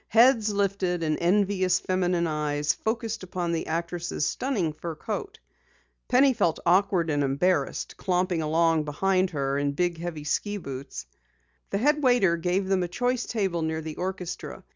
Heads lifted and envious feminine eyes focused upon the actress' stunning fur coat. Penny felt awkward and embarrassed, clomping along behind in her big heavy ski boots. The head waiter gave them a choice table near the orchestra.